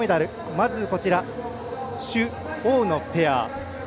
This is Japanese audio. まず朱、王のペア。